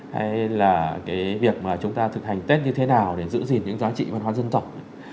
hay là cái việc mà chúng ta thực hành tết như thế nào để giữ gìn những giá trị văn hóa dân tộc